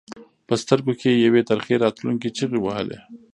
په سترګو کې یې یوې ترخې راتلونکې چغې وهلې.